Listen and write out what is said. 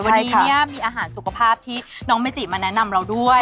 วันนี้เนี่ยมีอาหารสุขภาพที่น้องเมจิมาแนะนำเราด้วย